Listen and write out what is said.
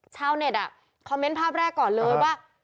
ชาวเน็ตคอมเมนต์ภาพแรกก่อนเลยว่า